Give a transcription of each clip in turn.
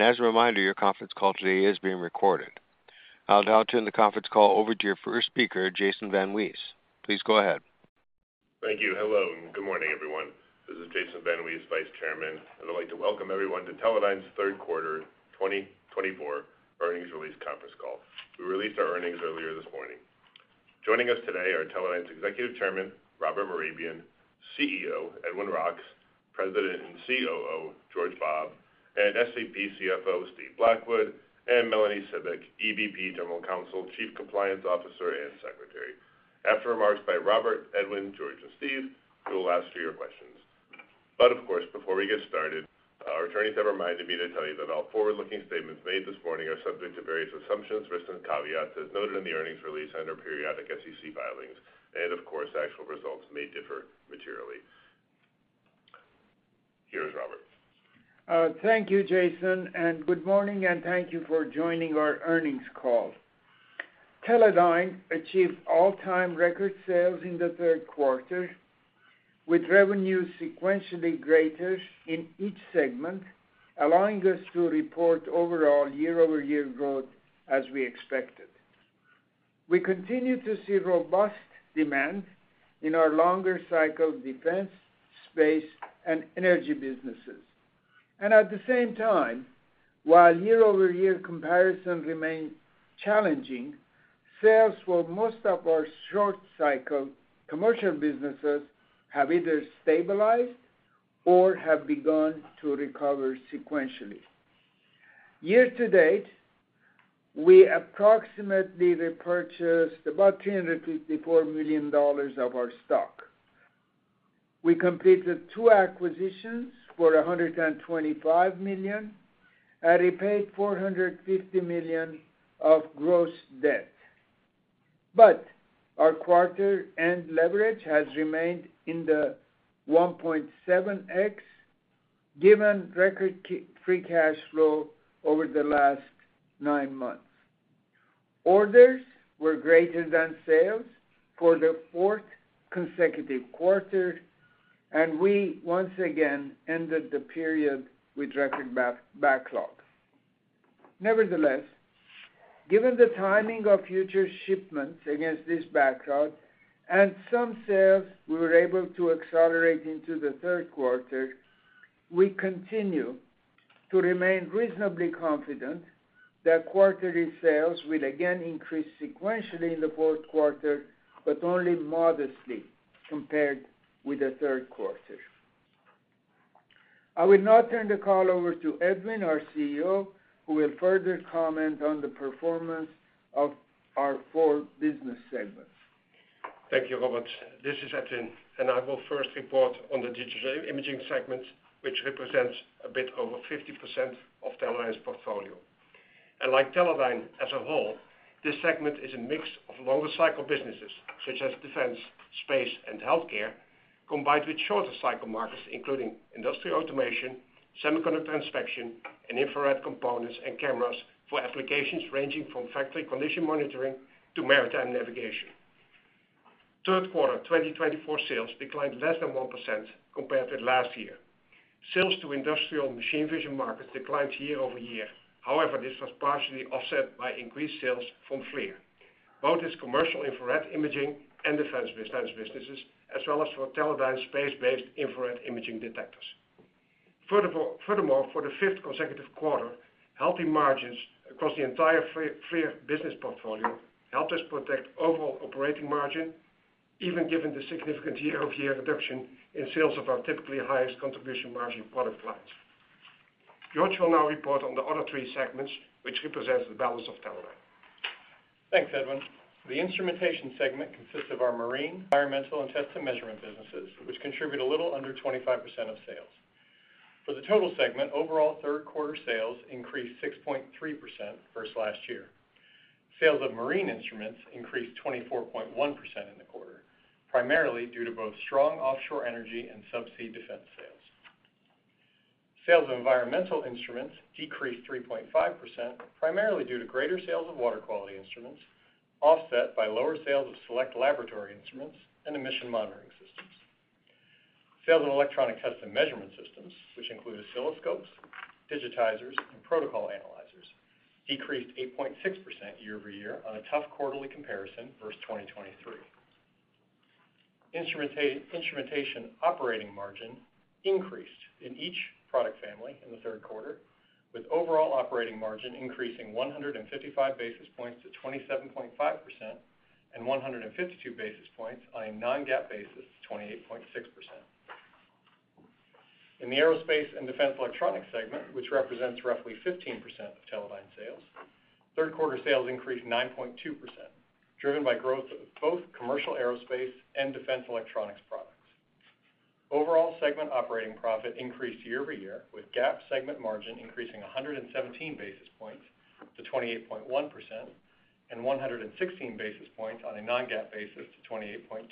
As a reminder, your conference call today is being recorded. I'll now turn the conference call over to your first speaker, Jason VanWees. Please go ahead. Thank you. Hello, and good morning, everyone. This is Jason VanWees, Vice Chairman, and I'd like to welcome everyone to Teledyne's third quarter 2024 earnings release conference call. We released our earnings earlier this morning. Joining us today are Teledyne's Executive Chairman, Robert Mehrabian, CEO, Edwin Roks, President and COO, George Bobb, and SVP CFO, Steve Blackwood, and Melanie Cibik, EVP, General Counsel, Chief Compliance Officer, and Secretary. After remarks by Robert, Edwin, George, and Steve, we will ask for your questions. But of course, before we get started, our attorneys have reminded me to tell you that all forward-looking statements made this morning are subject to various assumptions, risks, and caveats, as noted in the earnings release and our periodic SEC filings. And of course, actual results may differ materially. Here's Robert. Thank you, Jason, and good morning, and thank you for joining our earnings call. Teledyne achieved all-time record sales in the third quarter, with revenue sequentially greater in each segment, allowing us to report overall year-over-year growth as we expected. We continue to see robust demand in our longer cycle defense, space, and energy businesses. And at the same time, while year-over-year comparison remains challenging, sales for most of our short cycle commercial businesses have either stabilized or have begun to recover sequentially. Year to date, we approximately repurchased about $354 million of our stock. We completed two acquisitions for $125 million and repaid $450 million of gross debt. But our quarter-end leverage has remained in the 1.7x, given record free cash flow over the last nine months. Orders were greater than sales for the fourth consecutive quarter, and we once again ended the period with record backlog. Nevertheless, given the timing of future shipments against this backlog and some sales we were able to accelerate into the third quarter, we continue to remain reasonably confident that quarterly sales will again increase sequentially in the fourth quarter, but only modestly compared with the third quarter. I will now turn the call over to Edwin, our CEO, who will further comment on the performance of our four business segments. Thank you, Robert. This is Edwin, and I will first report on the digital imaging segment, which represents a bit over 50% of Teledyne's portfolio, and like Teledyne as a whole, this segment is a mix of longer cycle businesses, such as defense, space, and healthcare, combined with shorter cycle markets, including industrial automation, semiconductor inspection, and infrared components and cameras for applications ranging from factory condition monitoring to maritime navigation. Third quarter 2024 sales declined less than 1% compared to last year. Sales to industrial machine vision markets declined year over year. However, this was partially offset by increased sales from FLIR, both its commercial infrared imaging and defense businesses, as well as for Teledyne's space-based infrared imaging detectors. Furthermore, for the fifth consecutive quarter, healthy margins across the entire FLIR business portfolio helped us protect overall operating margin, even given the significant year-over-year reduction in sales of our typically highest contribution margin product lines. George will now report on the other three segments, which represents the balance of Teledyne. Thanks, Edwin. The instrumentation segment consists of our marine, environmental, and test and measurement businesses, which contribute a little under 25% of sales. For the total segment, overall third quarter sales increased 6.3% versus last year. Sales of marine instruments increased 24.1% in the quarter, primarily due to both strong offshore energy and subsea defense sales. Sales of environmental instruments decreased 3.5%, primarily due to greater sales of water quality instruments, offset by lower sales of select laboratory instruments and emission monitoring systems. Sales in electronic test and measurement systems, which include oscilloscopes, digitizers, and protocol analyzers, decreased 8.6% year over year on a tough quarterly comparison versus 2023. Instrumentation operating margin increased in each product family in the third quarter, with overall operating margin increasing 155 basis points to 27.5% and 152 basis points on a non-GAAP basis to 28.6%. In the aerospace and defense electronics segment, which represents roughly 15% of Teledyne sales, third quarter sales increased 9.2%, driven by growth of both commercial aerospace and defense electronics products. Overall segment operating profit increased year over year, with GAAP segment margin increasing 117 basis points to 28.1% and 116 basis points on a non-GAAP basis to 28.2%.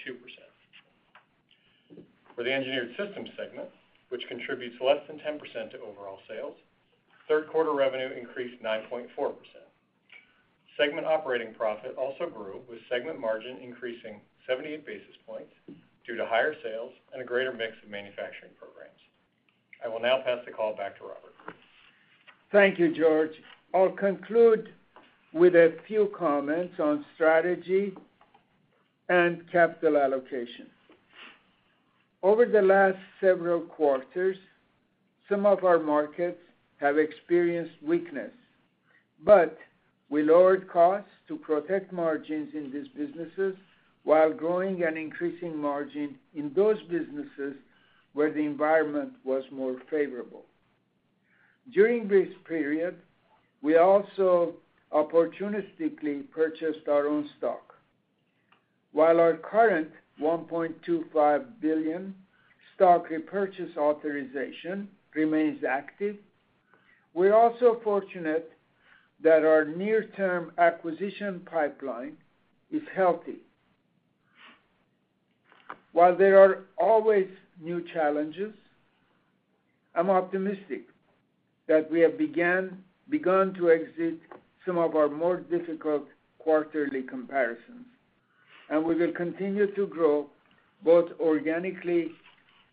For the engineered systems segment, which contributes less than 10% to overall sales, third quarter revenue increased 9.4%.... Segment operating profit also grew, with segment margin increasing seventy-eight basis points due to higher sales and a greater mix of manufacturing programs. I will now pass the call back to Robert. Thank you, George. I'll conclude with a few comments on strategy and capital allocation. Over the last several quarters, some of our markets have experienced weakness, but we lowered costs to protect margins in these businesses while growing and increasing margin in those businesses where the environment was more favorable. During this period, we also opportunistically purchased our own stock. While our current $1.25 billion stock repurchase authorization remains active, we're also fortunate that our near-term acquisition pipeline is healthy. While there are always new challenges, I'm optimistic that we have begun to exit some of our more difficult quarterly comparisons, and we will continue to grow both organically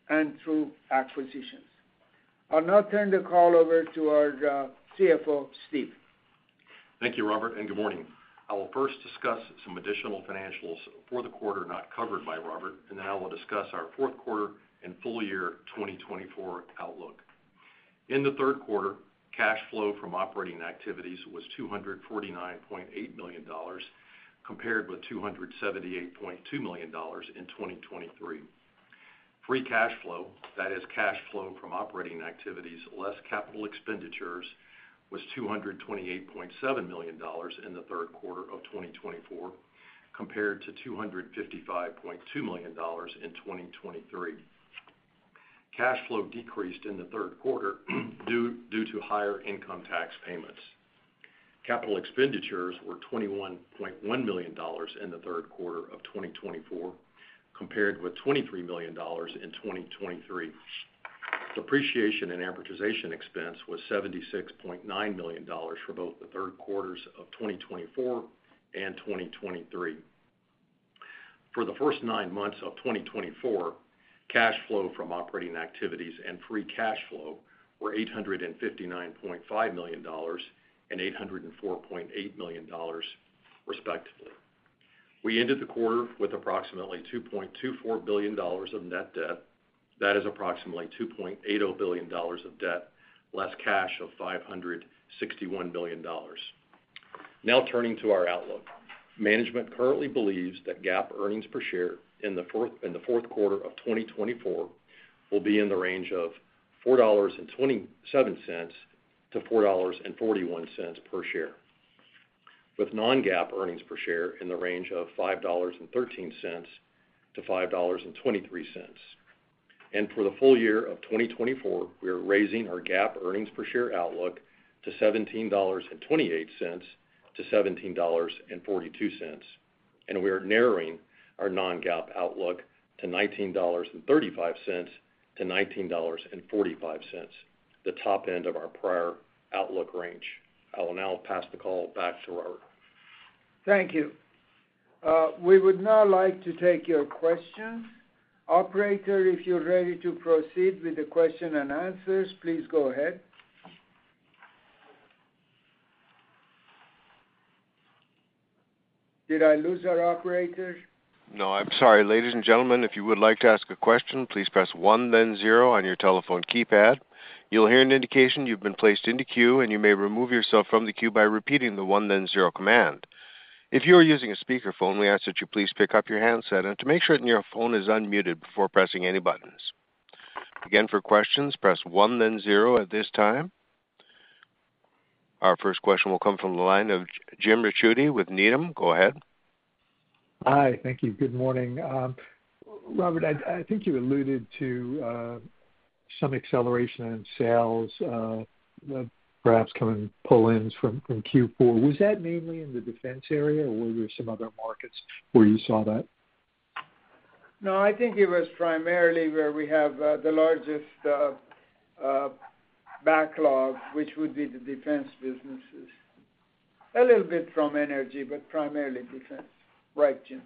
and through acquisitions. I'll now turn the call over to our CFO, Steve. Thank you, Robert, and good morning. I will first discuss some additional financials for the quarter not covered by Robert, and then I will discuss our fourth quarter and full year 2024 outlook. In the third quarter, cash flow from operating activities was $249.8 million, compared with $278.2 million in 2023. Free cash flow, that is cash flow from operating activities, less capital expenditures, was $228.7 million in the third quarter of 2024, compared to $255.2 million in 2023. Cash flow decreased in the third quarter due to higher income tax payments. Capital expenditures were $21.1 million in the third quarter of 2024, compared with $23 million in 2023. Depreciation and amortization expense was $76.9 million for both the third quarters of 2024 and 2023. For the first nine months of 2024, cash flow from operating activities and free cash flow were $859.5 million and $804.8 million, respectively. We ended the quarter with approximately $2.24 billion of net debt. That is approximately $2.80 billion of debt, less cash of $561 million. Now, turning to our outlook. Management currently believes that GAAP earnings per share in the fourth quarter of twenty twenty-four will be in the range of $4.27-$4.41 per share, with non-GAAP earnings per share in the range of $5.13-$5.23. And for the full year of twenty twenty-four, we are raising our GAAP earnings per share outlook to $17.28-$17.42, and we are narrowing our non-GAAP outlook to $19.35-$19.45, the top end of our prior outlook range. I will now pass the call back to Robert. Thank you. We would now like to take your questions. Operator, if you're ready to proceed with the question and answers, please go ahead. Did I lose our operator? No, I'm sorry. Ladies and gentlemen, if you would like to ask a question, please press one, then zero on your telephone keypad. You'll hear an indication you've been placed into queue, and you may remove yourself from the queue by repeating the one, then zero command. If you are using a speakerphone, we ask that you please pick up your handset and to make sure that your phone is unmuted before pressing any buttons. Again, for questions, press one, then zero at this time. Our first question will come from the line of James Ricchiuti with Needham. Go ahead. Hi. Thank you. Good morning. Robert, I think you alluded to some acceleration in sales, perhaps coming pull-ins from Q4. Was that mainly in the defense area, or were there some other markets where you saw that? No, I think it was primarily where we have the largest backlog, which would be the defense businesses. A little bit from energy, but primarily defense. Right, James.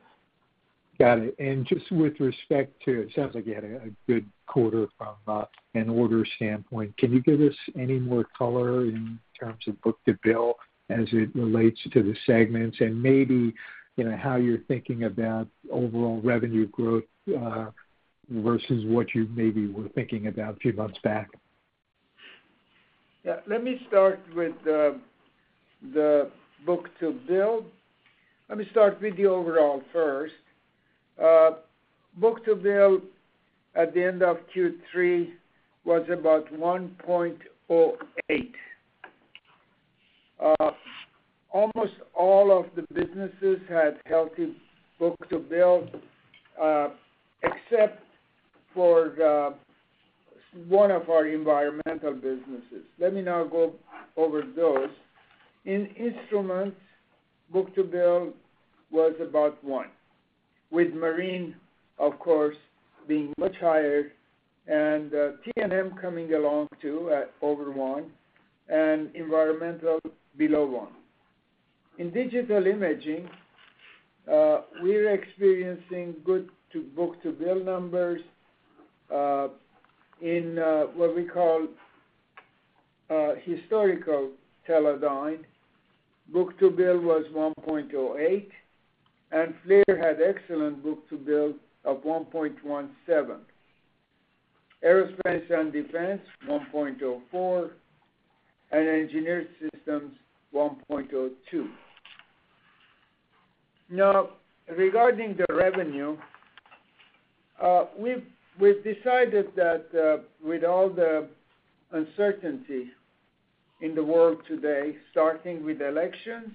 Got it. And just with respect to, it sounds like you had a good quarter from an order standpoint. Can you give us any more color in terms of book-to-bill as it relates to the segments, and maybe, you know, how you're thinking about overall revenue growth versus what you maybe were thinking about a few months back? Yeah, let me start with the book-to-bill. Let me start with the overall first. Book-to-bill at the end of Q3 was about one point zero eight. Almost all of the businesses had healthy book-to-bill, except for the one of our environmental businesses. Let me now go over those. In instruments, book-to-bill was about one. With marine, of course, being much higher, and T&M coming along too, at over one, and environmental below one. In digital imaging, we're experiencing good to book-to-bill numbers in what we call historical Teledyne. Book-to-bill was one point zero eight, and FLIR had excellent book-to-bill of one point one seven. Aerospace and Defense, one point zero four, and Engineered Systems, one point zero two. Now, regarding the revenue, we've decided that with all the uncertainty in the world today, starting with elections,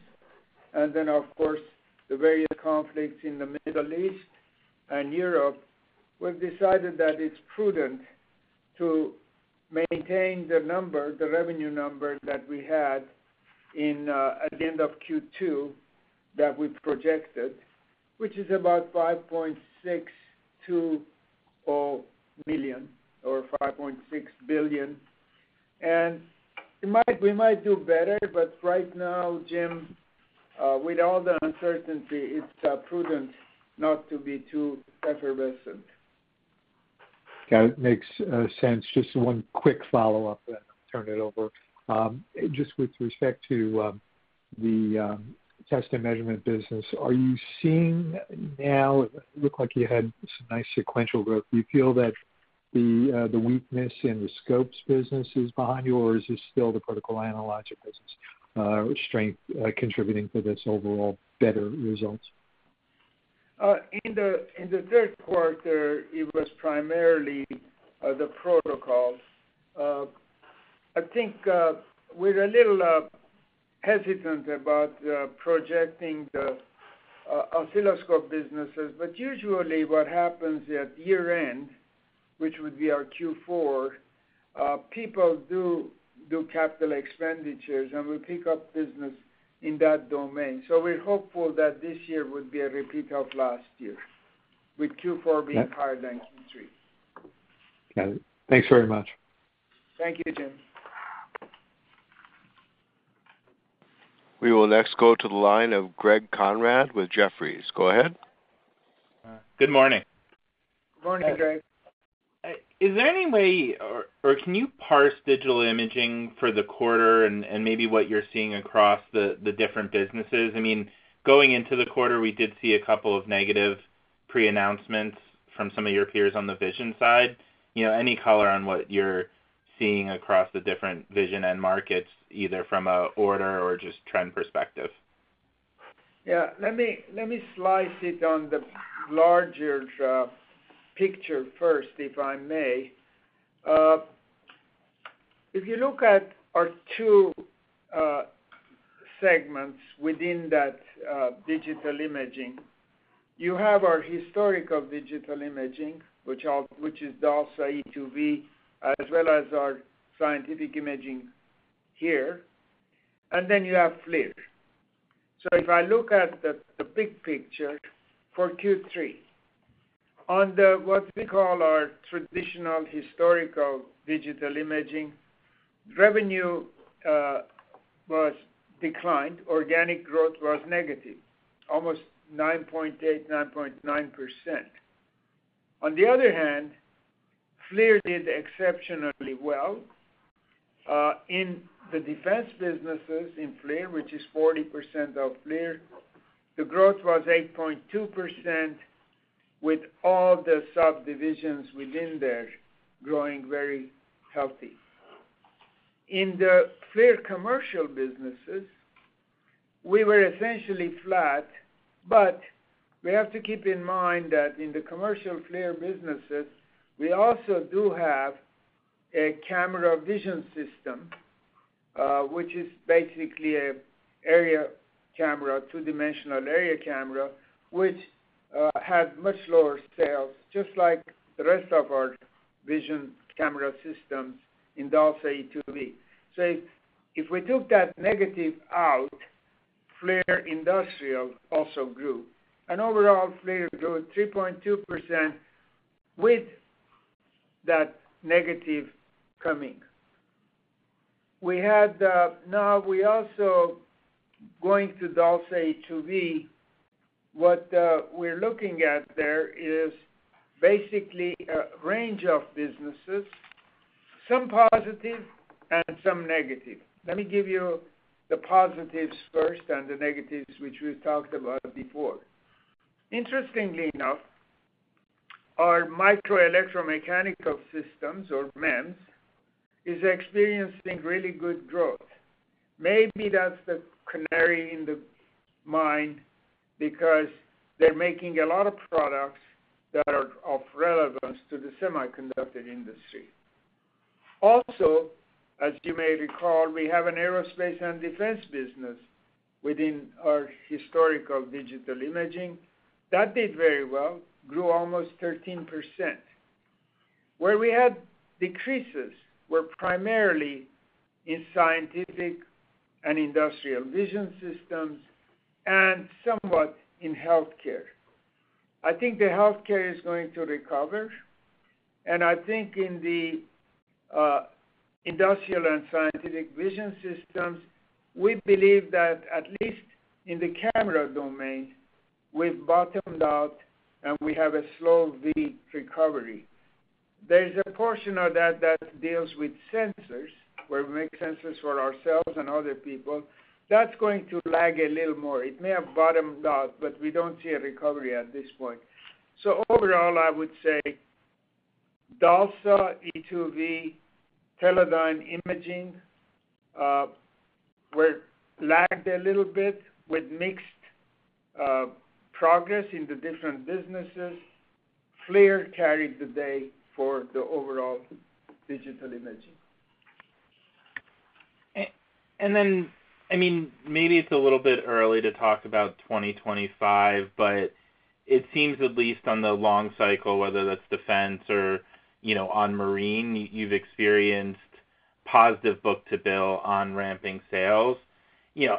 and then, of course, the various conflicts in the Middle East and Europe, we've decided that it's prudent to maintain the number, the revenue number that we had in at the end of Q2, that we've projected, which is about $5.624 million or $5.6 billion. And we might do better, but right now, Jim, with all the uncertainty, it's prudent not to be too effervescent. Okay. Makes sense. Just one quick follow-up, then I'll turn it over. Just with respect to the test and measurement business, are you seeing now? It looked like you had some nice sequential growth. Do you feel that the weakness in the scopes business is behind you, or is this still the protocol analyzer business strength contributing to this overall better results? In the third quarter, it was primarily the protocols. I think we're a little hesitant about projecting the oscilloscope businesses. But usually what happens at year-end, which would be our Q4, people do capital expenditures, and we pick up business in that domain. So we're hopeful that this year would be a repeat of last year, with Q4 being higher than Q3. Got it. Thanks very much. Thank you, James. We will next go to the line of Greg Konrad with Jefferies. Go ahead. Good morning. Good morning, Greg. Hi, Greg. Is there any way, or can you parse digital imaging for the quarter and maybe what you're seeing across the different businesses? I mean, going into the quarter, we did see a couple of negative pre-announcements from some of your peers on the vision side. You know, any color on what you're seeing across the different vision end markets, either from an order or just trend perspective? Yeah, let me slice it on the larger picture first, if I may. If you look at our two segments within that digital imaging, you have our historical digital imaging, which is DALSA e2v, as well as our scientific imaging here, and then you have FLIR. So if I look at the big picture for Q3, on what we call our traditional historical digital imaging, revenue was declined. Organic growth was negative, almost 9.8, 9.9%. On the other hand, FLIR did exceptionally well. In the defense businesses in FLIR, which is 40% of FLIR, the growth was 8.2%, with all the subdivisions within there growing very healthy. In the FLIR commercial businesses, we were essentially flat, but we have to keep in mind that in the commercial FLIR businesses, we also do have a camera vision system, which is basically an area camera, two-dimensional area camera, which had much lower sales, just like the rest of our vision camera systems in DALSA e2v. So if we took that negative out, FLIR Industrial also grew, and overall, FLIR grew 3.2% with that negative coming. We had. Now, we also going to DALSA e2v. What we're looking at there is basically a range of businesses, some positive and some negative. Let me give you the positives first and the negatives, which we talked about before. Interestingly enough, our micro-electro-mechanical systems, or MEMS, is experiencing really good growth. Maybe that's the canary in the mine, because they're making a lot of products that are of relevance to the semiconductor industry. Also, as you may recall, we have an aerospace and defense business within our historical digital imaging. That did very well, grew almost 13%. Where we had decreases were primarily in scientific and industrial vision systems and somewhat in healthcare. I think the healthcare is going to recover, and I think in the industrial and scientific vision systems, we believe that at least in the camera domain, we've bottomed out, and we have a slow V recovery. There's a portion of that that deals with sensors, where we make sensors for ourselves and other people. That's going to lag a little more. It may have bottomed out, but we don't see a recovery at this point. Overall, I would say DALSA, e2v, Teledyne Imaging lagged a little bit with mixed progress in the different businesses. FLIR carried the day for the overall digital imaging. And then, I mean, maybe it's a little bit early to talk about twenty twenty-five, but it seems, at least on the long cycle, whether that's defense or, you know, on marine, you've experienced positive book-to-bill on ramping sales. You know,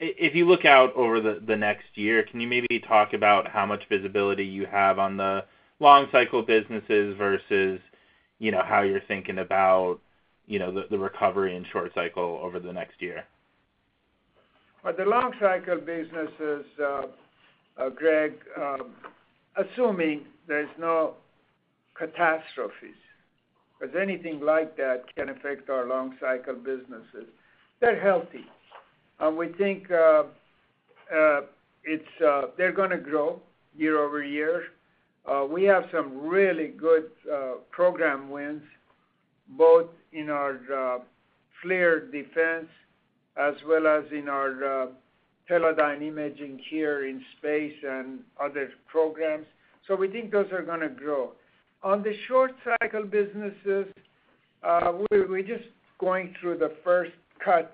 if you look out over the next year, can you maybe talk about how much visibility you have on the long cycle businesses versus, you know, how you're thinking about the recovery in short cycle over the next year? The long cycle businesses, Greg, assuming there's no catastrophes, because anything like that can affect our long cycle businesses, they're healthy. And we think, it's... they're gonna grow year over year. We have some really good program wins, both in our FLIR defense as well as in our Teledyne Imaging here in space and other programs, so we think those are gonna grow. On the short cycle businesses, we're just going through the first cut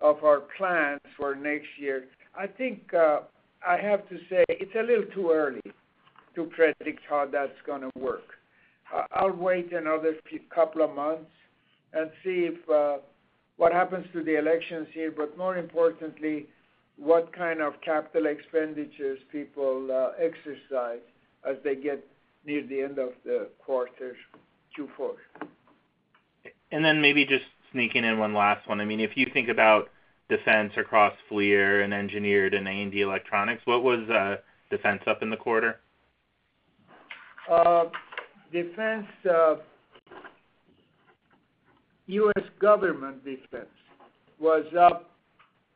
of our plans for next year. I think I have to say, it's a little too early to predict how that's gonna work. I'll wait another few couple of months and see if what happens to the elections here, but more importantly, what kind of capital expenditures people exercise as they get near the end of the quarter, Q4. And then maybe just sneaking in one last one. I mean, if you think about defense across FLIR and Engineered and A&D Electronics, what was defense up in the quarter? Defense, U.S. government defense was up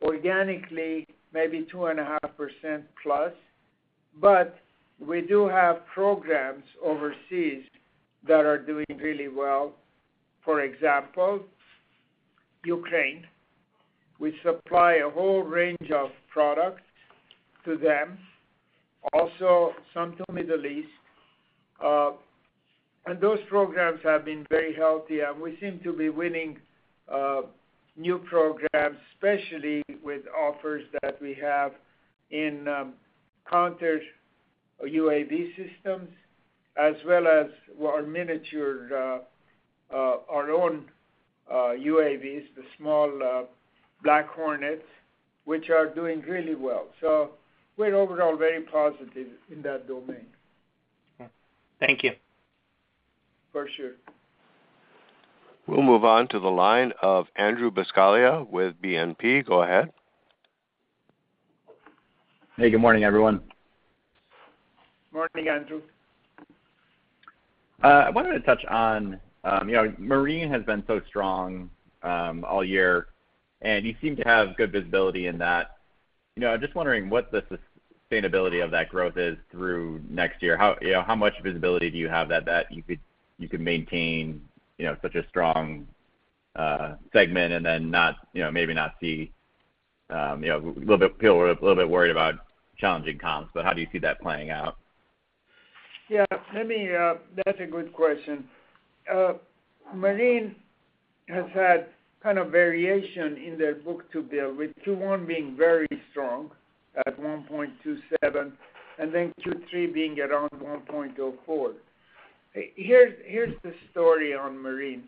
organically, maybe 2.5% plus, but we do have programs overseas that are doing really well. For example, Ukraine. We supply a whole range of products to them, also some to Middle East. And those programs have been very healthy, and we seem to be winning new programs, especially with offers that we have in counter UAV systems, as well as our miniature, our own UAVs, the small Black Hornets, which are doing really well, so we're overall very positive in that domain. Okay. Thank you. For sure. We'll move on to the line of Andrew Buscaglia with BNP. Go ahead. Hey, good morning, everyone. Morning, Andrew. I wanted to touch on, you know, Marine has been so strong all year, and you seem to have good visibility in that. You know, I'm just wondering what the sustainability of that growth is through next year. How, you know, how much visibility do you have that you could maintain, you know, such a strong segment and then not, you know, maybe not see, you know, a little bit. People are a little bit worried about challenging comps, but how do you see that playing out? Yeah, let me. That's a good question. Marine has had kind of variation in their book-to-bill, with twenty-one being very strong at 1.27, and then twenty-three being around 1.04. Here's the story on Marine: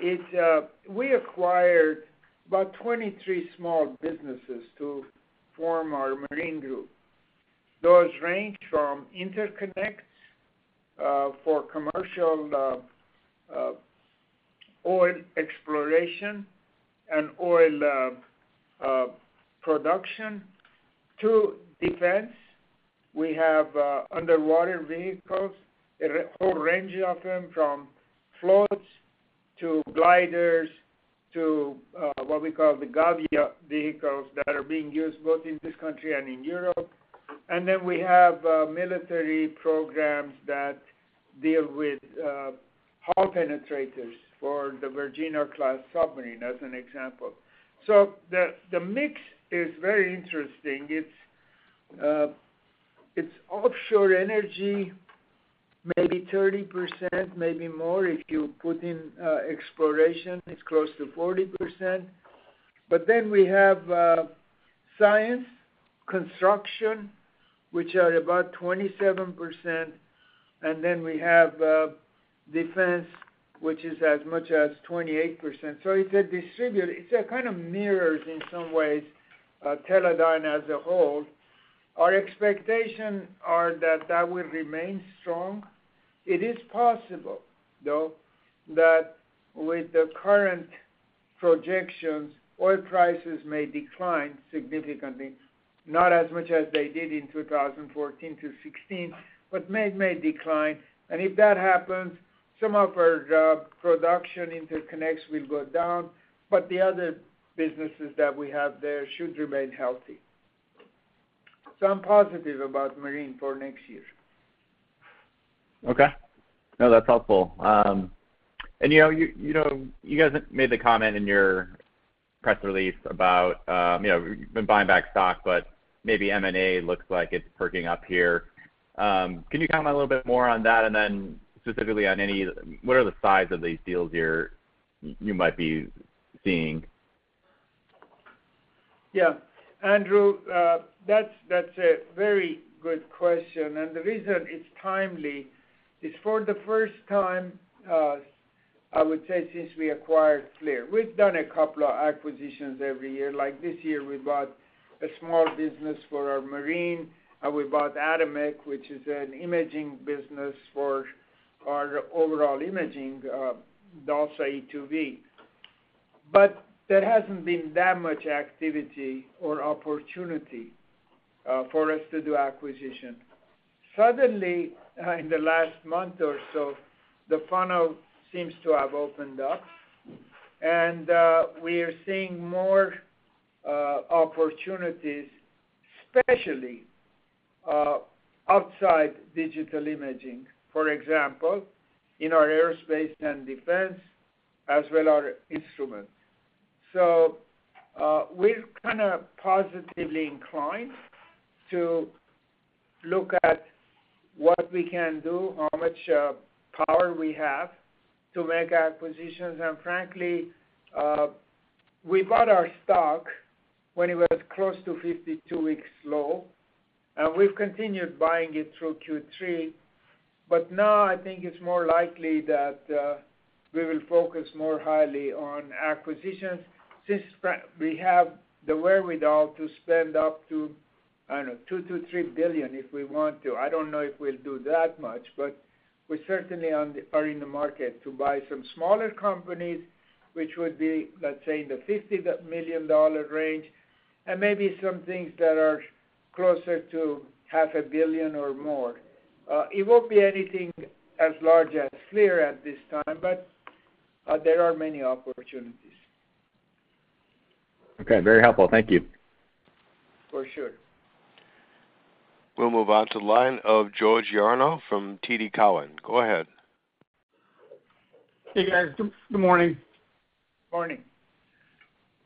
It's, we acquired about 23 small businesses to form our Marine group. Those range from interconnects for commercial oil exploration and oil production to defense. We have underwater vehicles, a whole range of them, from floats to gliders to what we call the Gavia vehicles that are being used both in this country and in Europe. And then we have military programs that deal with hull penetrators for the Virginia-class submarine, as an example. So the mix is very interesting. It's offshore energy, maybe 30%, maybe more. If you put in exploration, it's close to 40%. But then we have science, construction, which are about 27%, and then we have defense, which is as much as 28%. So it's a distribution, kind of mirrors, in some ways, Teledyne as a whole. Our expectations are that that will remain strong. It is possible, though, that with the current projections, oil prices may decline significantly, not as much as they did in 2014 to 2016, but may decline. And if that happens, some of our oil production interconnects will go down, but the other businesses that we have there should remain healthy. So I'm positive about marine for next year. Okay. No, that's helpful. And, you know, you know, you guys have made the comment in your press release about, you know, you've been buying back stock, but maybe M&A looks like it's perking up here. Can you comment a little bit more on that? And then specifically on any, what are the size of these deals you might be seeing? Yeah, Andrew, that's a very good question, and the reason it's timely is for the first time, I would say since we acquired FLIR, we've done a couple of acquisitions every year. Like this year, we bought a small business for our marine, and we bought Adimec, which is an imaging business for our overall imaging, DALSA e2v. But there hasn't been that much activity or opportunity for us to do acquisition. Suddenly, in the last month or so, the funnel seems to have opened up, and we are seeing more opportunities, especially outside digital imaging, for example, in our aerospace and defense, as well our instruments. So, we're kind of positively inclined to look at what we can do, how much power we have to make acquisitions. And frankly, we bought our stock when it was close to fifty-two weeks low, and we've continued buying it through Q3. But now, I think it's more likely that we will focus more highly on acquisitions since we have the wherewithal to spend up to, I don't know, $2-$3 billion if we want to. I don't know if we'll do that much, but we certainly are in the market to buy some smaller companies, which would be, let's say, in the $50 million range, and maybe some things that are closer to $500 million or more. It won't be anything as large as FLIR at this time, but there are many opportunities. Okay, very helpful. Thank you. For sure. We'll move on to the line of George Yarno from TD Cowen. Go ahead. Hey, guys. Good, good morning. Morning.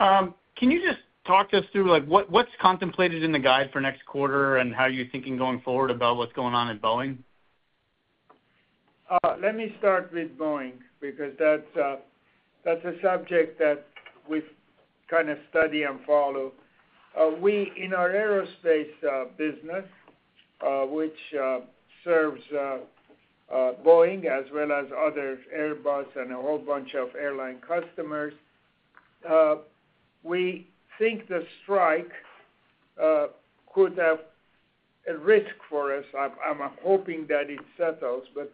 Can you just talk us through, like, what's contemplated in the guide for next quarter, and how are you thinking going forward about what's going on at Boeing? Let me start with Boeing, because that's a subject that we've kind of study and follow. We, in our aerospace business, which serves Boeing as well as other Airbus and a whole bunch of airline customers, we think the strike could have a risk for us. I'm hoping that it settles, but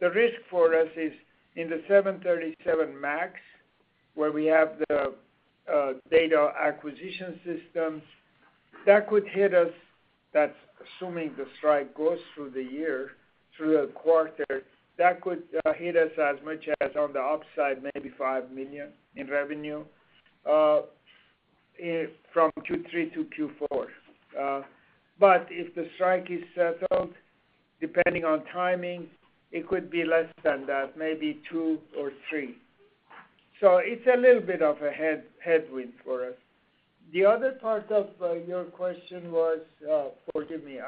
the risk for us is in the 737 MAX, where we have the data acquisition systems. That could hit us. That's assuming the strike goes through the year, through the quarter, that could hit us as much as on the upside, maybe $5 million in revenue, from Q3 to Q4. But if the strike is settled, depending on timing, it could be less than that, maybe two or three. So it's a little bit of a headwind for us. The other part of your question was, forgive me,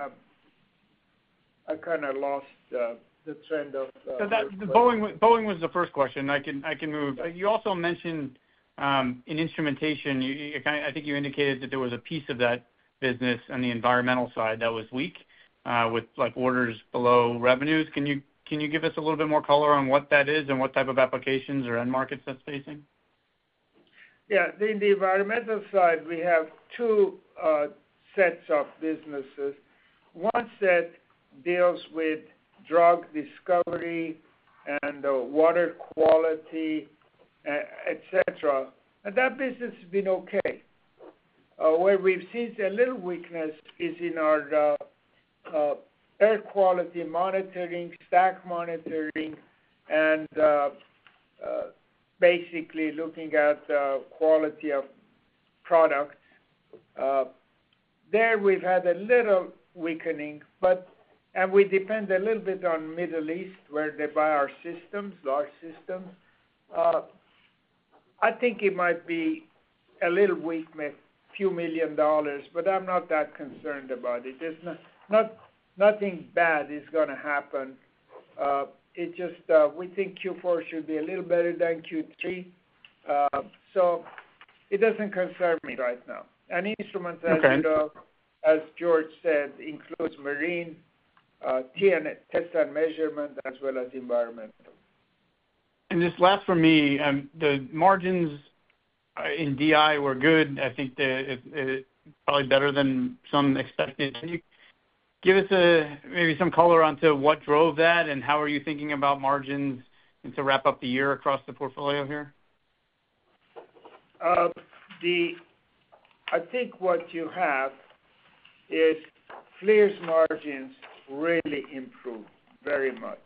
I kind of lost the trend of. The Boeing, Boeing was the first question. I can move. You also mentioned in instrumentation, you kind of. I think you indicated that there was a piece of that business on the environmental side that was weak, with like, orders below revenues. Can you give us a little bit more color on what that is and what type of applications or end markets that's facing? Yeah. In the environmental side, we have two sets of businesses. One set deals with drug discovery and water quality, et cetera, and that business has been okay. Where we've seen a little weakness is in our air quality monitoring, stack monitoring, and basically looking at the quality of products. There we've had a little weakening, but. And we depend a little bit on Middle East, where they buy our systems, large systems. I think it might be a little weak, maybe a few million dollars, but I'm not that concerned about it. There's nothing bad is gonna happen. It just, we think Q4 should be a little better than Q3. So it doesn't concern me right now. And instruments, as- Okay. As George said, includes marine, T and test and measurement, as well as environmental. And just last for me, the margins in DI were good. I think it probably better than some expected. Can you give us maybe some color onto what drove that, and how are you thinking about margins, and to wrap up the year across the portfolio here? I think what you have is FLIR's margins really improved very much,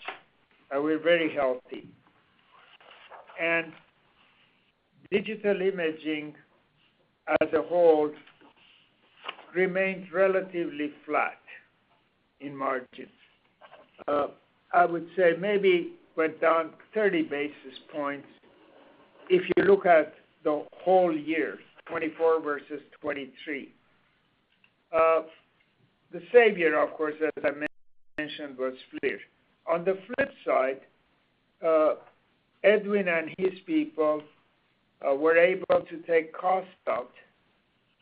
and we're very healthy, and digital imaging, as a whole, remained relatively flat in margins. I would say maybe went down thirty basis points if you look at the whole year, 2024 versus 2023. The savior, of course, as I mentioned, was FLIR. On the flip side, Edwin and his people were able to take costs out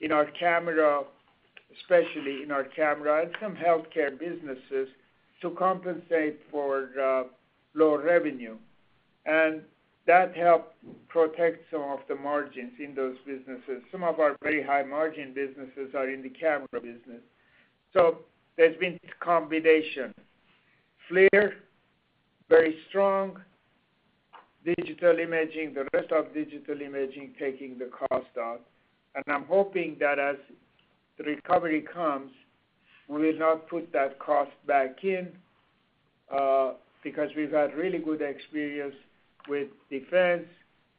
in our camera, especially in our camera and some healthcare businesses, to compensate for lower revenue. And that helped protect some of the margins in those businesses. Some of our very high-margin businesses are in the camera business. So there's been this combination. FLIR, very strong. Digital imaging, the rest of digital imaging, taking the cost out. I'm hoping that as the recovery comes, we will not put that cost back in, because we've had really good experience with defense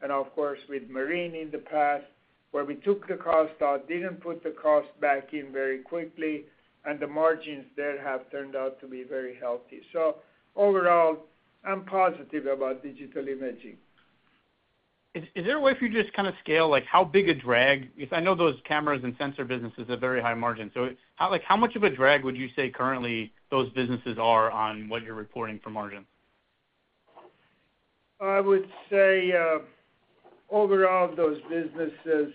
and, of course, with marine in the past, where we took the cost out, didn't put the cost back in very quickly, and the margins there have turned out to be very healthy. So overall, I'm positive about digital imaging. Is there a way for you to just kind of scale, like, how big a drag? Because I know those cameras and sensor businesses are very high margin. So how, like, how much of a drag would you say currently those businesses are on what you're reporting for margin? I would say, overall, those businesses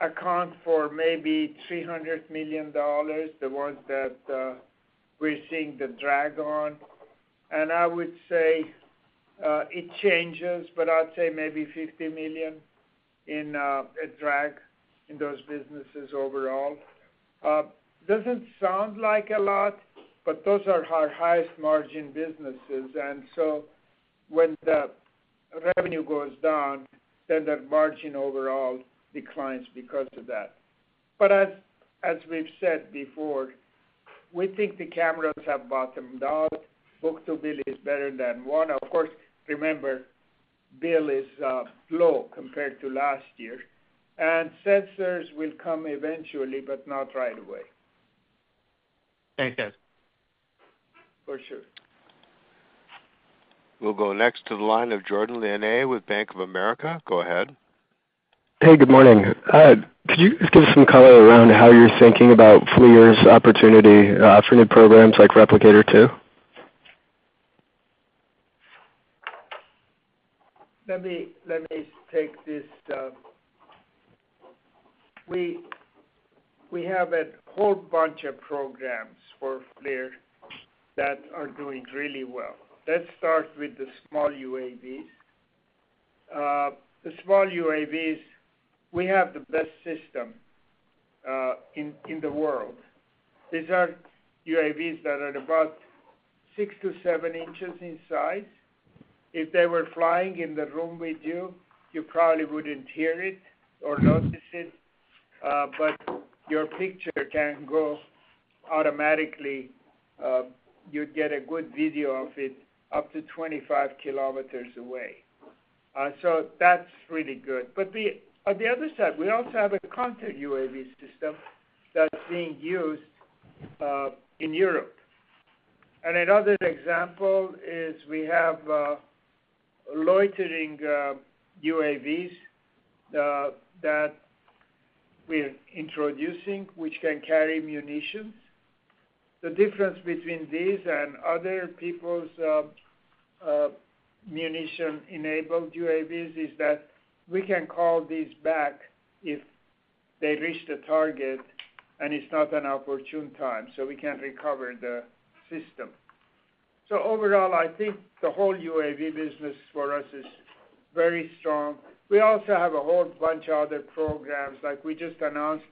account for maybe $300 million, the ones that we're seeing the drag on, and I would say it changes, but I'd say maybe $50 million in a drag in those businesses overall. Doesn't sound like a lot, but those are our highest margin businesses, and so when the revenue goes down, then that margin overall declines because of that, but as we've said before, we think the cameras have bottomed out. Book-to-bill is better than one. Of course, remember, bill is low compared to last year, and sensors will come eventually, but not right away. Thanks, guys. For sure. We'll go next to the line of Jordan Lyonnais with Bank of America. Go ahead. Hey, good morning. Could you just give us some color around how you're thinking about FLIR's opportunity for new programs like Replicator 2? Let me take this. We have a whole bunch of programs for FLIR that are doing really well. Let's start with the small UAVs. The small UAVs, we have the best system in the world. These are UAVs that are about six to seven inches in size. If they were flying in the room with you, you probably wouldn't hear it or notice it, but your picture can go automatically. You'd get a good video of it up to 25 kilometers away. So that's really good. But on the other side, we also have a counter UAV system that's being used in Europe. And another example is we have loitering UAVs that we're introducing, which can carry munitions. The difference between these and other people's munition-enabled UAVs is that we can call these back if they reach the target and it's not an opportune time, so we can recover the system, so overall I think the whole UAV business for us is very strong. We also have a whole bunch of other programs, like we just announced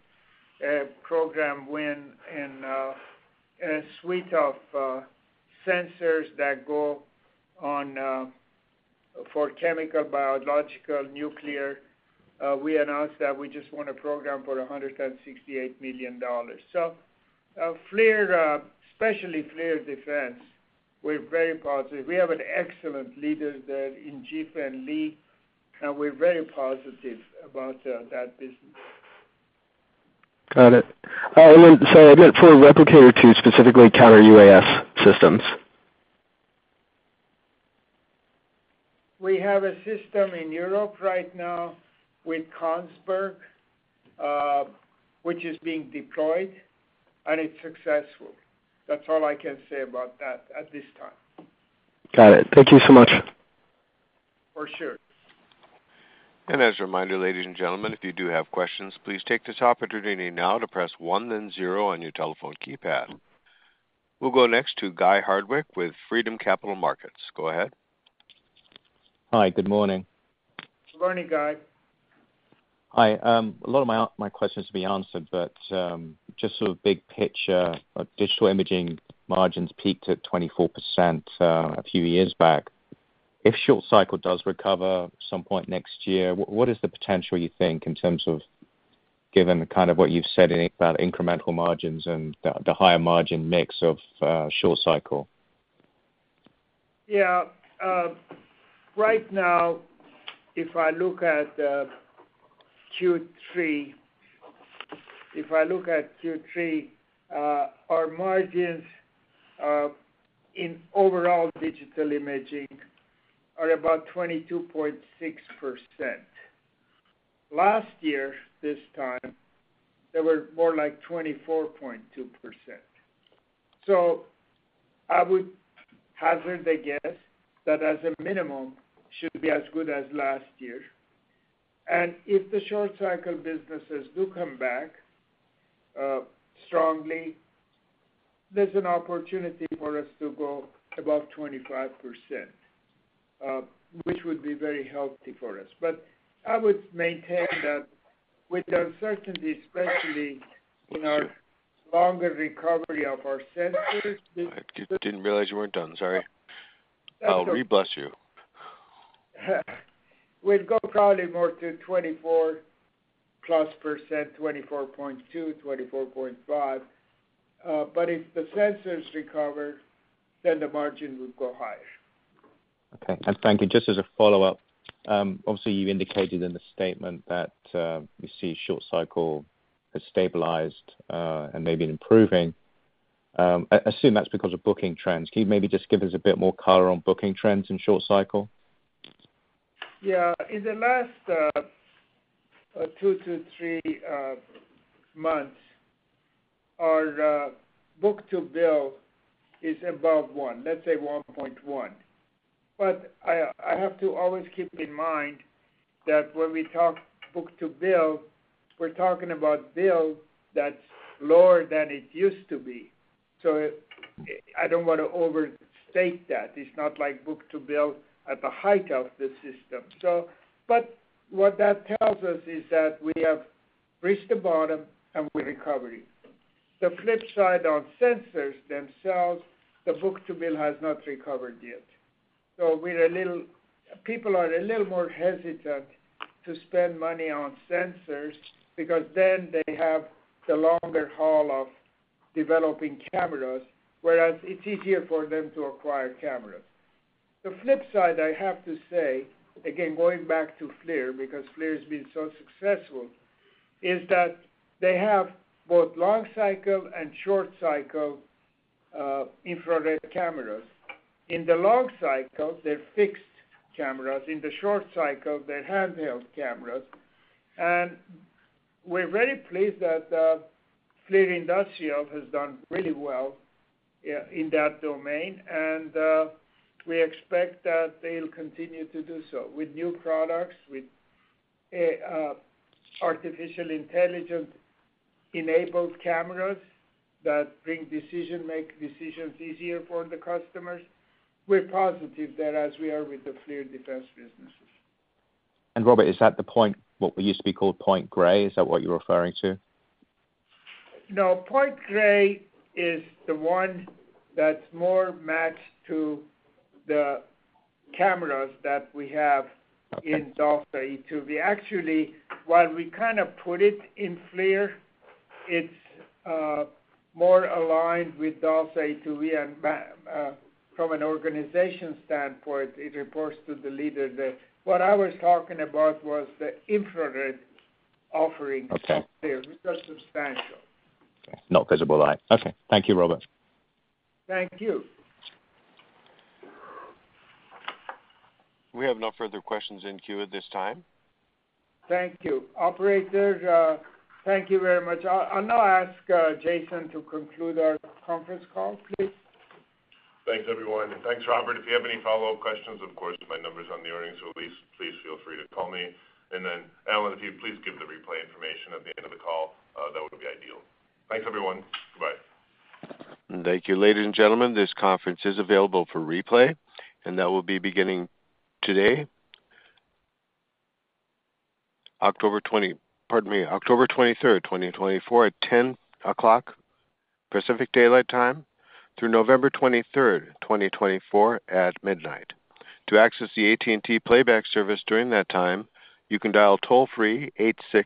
a program win in a suite of sensors that go on for chemical, biological, nuclear. We announced that we just won a program for $168 million. FLIR, especially FLIR defense, we're very positive. We have an excellent leader there in Jih-Fen Lei, and we're very positive about that business. Got it. And then, so I meant for Replicator 2, specifically counter-UAS systems? We have a system in Europe right now with Kongsberg, which is being deployed, and it's successful. That's all I can say about that at this time. Got it. Thank you so much. For sure. As a reminder, ladies and gentlemen, if you do have questions, please take this opportunity now to press one then zero on your telephone keypad. We'll go next to Guy Hardwick with Freedom Capital Markets. Go ahead. Hi, good morning. Good morning, Guy. Hi. A lot of my questions to be answered, but just sort of big picture, digital imaging margins peaked at 24% a few years back. If short cycle does recover at some point next year, what is the potential you think, in terms of given kind of what you've said about incremental margins and the higher margin mix of short cycle? Yeah. Right now, if I look at Q3, our margins in overall digital imaging are about 22.6%. Last year, this time, they were more like 24.2%. So I would hazard a guess that as a minimum, should be as good as last year. And if the short cycle businesses do come back strongly, there's an opportunity for us to go above 25%, which would be very healthy for us. But I would maintain that with the uncertainty, especially in our longer recovery of our sensors- I didn't realize you weren't done. Sorry. We bless you. We'd go probably more to 24%+, 24.2, 24.5. But if the sensors recover, then the margin would go higher. Okay. And thank you. Just as a follow-up, obviously, you indicated in the statement that you see short cycle has stabilized and maybe improving. I assume that's because of booking trends. Can you maybe just give us a bit more color on booking trends in short cycle? Yeah. In the last two to three months, our book-to-bill is above one, let's say one point one. But I have to always keep in mind that when we talk book-to-bill, we're talking about bill that's lower than it used to be. So I don't wanna overstate that. It's not like book-to-bill at the height of the system. So, but what that tells us is that we have reached the bottom, and we're recovering. The flip side on sensors themselves, the book-to-bill has not recovered yet. So people are a little more hesitant to spend money on sensors, because then they have the longer haul of developing cameras, whereas it's easier for them to acquire cameras. The flip side, I have to say, again, going back to FLIR, because FLIR has been so successful, is that they have both long cycle and short cycle, infrared cameras. In the long cycle, they're fixed cameras. In the short cycle, they're handheld cameras. And we're very pleased that, FLIR Industrial has done really well, in that domain, and, we expect that they'll continue to do so with new products, with artificial intelligence-enabled cameras that make decisions easier for the customers. We're positive that as we are with the FLIR defense businesses. Robert, is that Point Grey, what we used to be called? Is that what you're referring to? No, Point Grey is the one that's more matched to the cameras that we have in DALSA e2v. Actually, while we kind of put it in FLIR, it's more aligned with DALSA e2v, and from an organization standpoint, it reports to the leader there. What I was talking about was the infrared offerings- Okay. Of FLIR, which are substantial. Not visible light. Okay, thank you, Robert. Thank you. We have no further questions in queue at this time. Thank you. Operator, thank you very much. I'll now ask Jason to conclude our conference call, please. Thanks, everyone, and thanks, Robert. If you have any follow-up questions, of course, my numbers on the earnings release. Please feel free to call me. And then, Alan, if you'd please give the replay information at the end of the call, that would be ideal. Thanks, everyone. Bye-bye. Thank you. Ladies and gentlemen, this conference is available for replay, and that will be beginning today, October twenty... Pardon me, October 23rd 2024 at ten o'clock Pacific Daylight Time, through November 23rd, 2024 at midnight. To access the AT&T Playback service during that time, you can dial toll-free eight six.